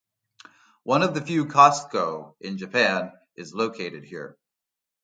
One of the few Costco in Japan is located here.